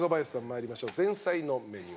参りましょう前菜のメニュー名。